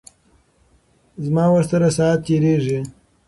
زما ورسره ساعت تیریږي.